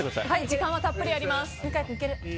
時間はたっぷりあります。